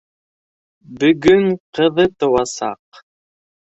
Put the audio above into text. Бөгөн ҡыҙы тыуасаҡ!